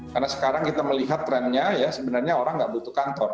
karena sekarang kita melihat trendnya sebenarnya orang tidak butuh kantor